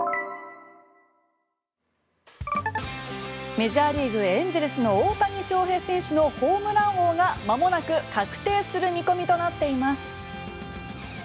メジャーリーグ、エンゼルスの大谷翔平選手のホームラン王がまもなく確定する見込みとなっています。